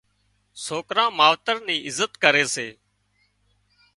سوڪران ماوتران ني عزت ڪري سي